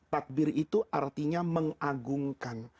takbir itu artinya mengagungkan